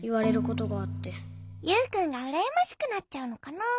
ユウくんがうらやましくなっちゃうのかな？